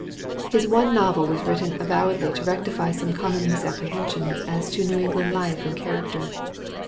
His one novel was written avowedly to rectify some common misapprehensions as to New England life and character.